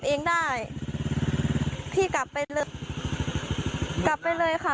อุ้ยทีนี้มันน่ากลัวเหลือเกินค่ะ